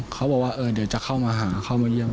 เขาบอกว่าเดี๋ยวจะเข้ามาหาเข้ามาเยี่ยม